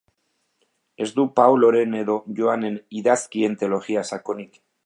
Ez du Pauloren edo Joanen idazkien teologia sakonik.